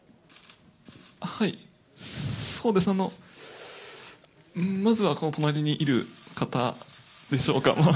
そうですね、まずはこの隣にいる方でしょうか。